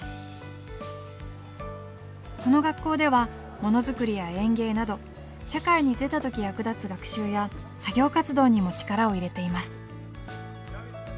この学校ではものづくりや園芸など社会に出たとき役立つ学習や作業活動にも力を入れています。